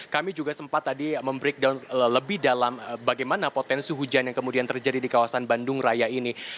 kami juga sempat tadi membreakdown lebih dalam bagaimana potensi hujan yang kemudian terjadi di kawasan bandung raya ini